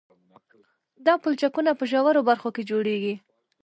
دا پلچکونه په ژورو برخو کې جوړیږي